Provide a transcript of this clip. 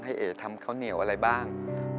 เอ๋ทำข้าวเหนียวอะไรบ้าง